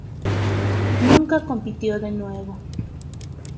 Nunca compitió de nuevo.